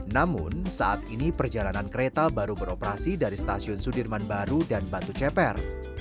namun saat ini perjalanan kereta baru beroperasi dari stasiun sudirman baru dan batu ceper